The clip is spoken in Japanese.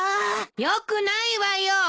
よくないわよ！